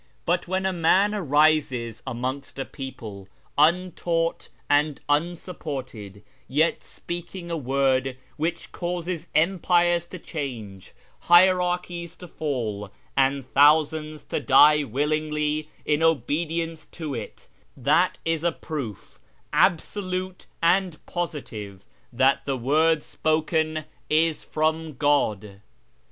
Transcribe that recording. But when a man arises amongst a people, untaught and unsupported, yet speaking a word which causes empires to change, hierarchies to fall, and thousands to die willingly in obedience to it, that is a proof absolute and positive that the word spoken is from God.